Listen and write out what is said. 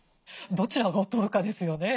どちらを取るかですよね。